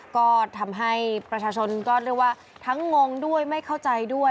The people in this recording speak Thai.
ก็ทำให้ประชาชนก็เรียกว่าทั้งงงด้วยไม่เข้าใจด้วย